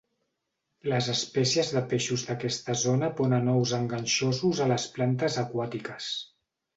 Les espècies de peixos d'aquesta zona ponen ous enganxosos a les plantes aquàtiques.